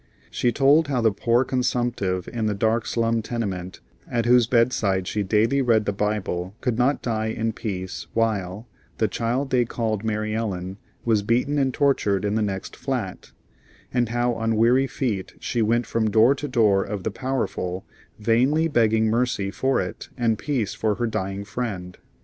She told how the poor consumptive in the dark slum tenement, at whose bedside she daily read the Bible, could not die in peace while "the child they called Mary Ellen" was beaten and tortured in the next flat; and how on weary feet she went from door to door of the powerful, vainly begging mercy for it and peace for her dying friend.